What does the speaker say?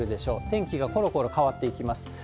天気がころころ変わっていきます。